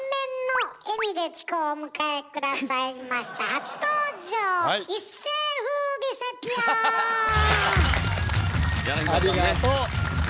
ありがとう！